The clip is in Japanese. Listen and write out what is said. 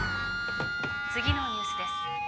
次のニュースです。